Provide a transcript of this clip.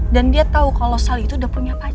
dan dia tau kalau sal itu dia mau menikah sama nino